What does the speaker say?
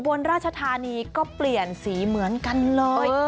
บนราชธานีก็เปลี่ยนสีเหมือนกันเลย